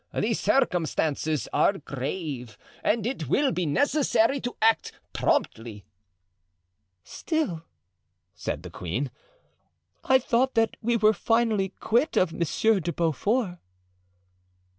The circumstances are grave and it will be necessary to act promptly." "Still!" said the queen. "I thought that we were finally quit of Monsieur de Beaufort."